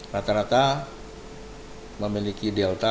rata rata memiliki delta atau nilai selisih